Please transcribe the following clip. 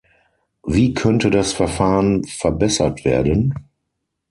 Wie könnte das Verfahren verbessert werden?